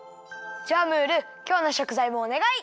じゃあムールきょうのしょくざいもおねがい！